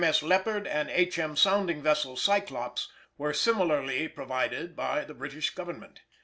M.S. Leopard and H.M. sounding vessel Cyclops were similarly provided by the British Government.